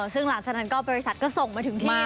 ซึ่งหลังจากนั้นก็บริษัทก็ส่งมาถึงที่